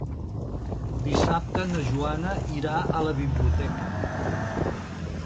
Dissabte na Joana irà a la biblioteca.